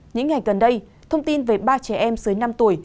những ngày gần đây thông tin về ba trẻ em dưới năm tuổi